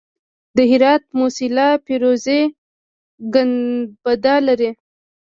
د هرات موسیلا فیروزي ګنبد لري